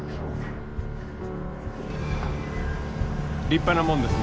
立派なもんですな。